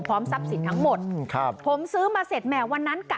พร้อมทรัพย์สิทธิ์ทั้งหมดผมซื้อมาเสร็จแม่วันนั้นกะ